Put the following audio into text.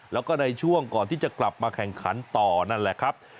แล้วก็ในช่วงก่อนที่จะกลับมาแข่งขันต่อนั่นแหละครับ